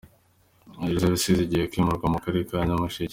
Gereza ya Rusizi igiye kwimurirwa mu Karere ka Nyamasheke